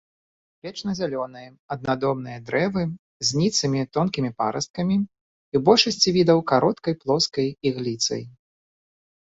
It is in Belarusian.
Вечназялёныя, аднадомныя дрэвы з ніцымі тонкімі парасткамі і ў большасці відаў кароткай плоскай ігліцай.